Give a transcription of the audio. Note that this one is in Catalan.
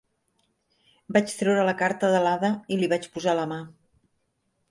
Vaig treure la carta de l'Ada i li vaig posar a la mà.